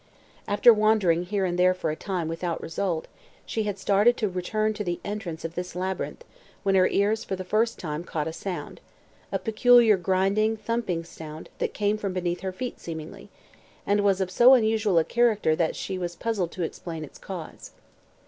After wandering here and there for a time without result she had started to return to the entrance of this labyrinth when her ears for the first time caught a sound a peculiar grinding, thumping sound that came from beneath her feet seemingly, and was of so unusual a character that she was puzzled to explain its cause.